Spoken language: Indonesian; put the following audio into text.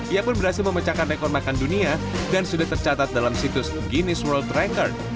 ia pun berhasil memecahkan rekor makan dunia dan sudah tercatat dalam situs guinness world ranger